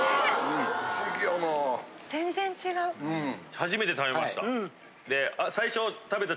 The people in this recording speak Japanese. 初めて食べました。